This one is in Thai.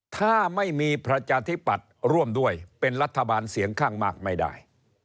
ถ้าไม่มีประชาธิปัตย์ร่วมด้วยเป็นรัฐบาลเสียงข้างมากไม่ได้